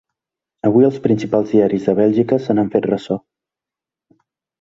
Avui els principals diaris de Bèlgica se n’han fet ressò.